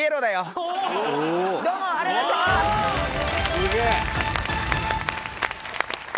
すげえ！